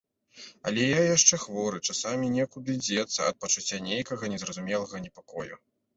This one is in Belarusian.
Але я яшчэ хворы, часамі некуды дзецца ад пачуцця нейкага незразумелага непакою.